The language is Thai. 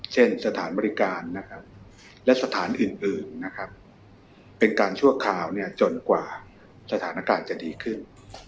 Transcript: เช่นสถานบริการนะครับและสถานอื่นนะครับเป็นการชั่วคราวจนกว่าสถานการณ์จะดีขึ้น